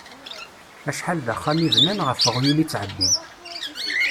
Acḥal d axxam i bnan, ɣef uɣyul i ttεebbin.